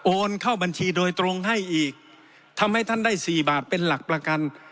เข้าบัญชีโดยตรงให้อีกทำให้ท่านได้สี่บาทเป็นหลักประกัน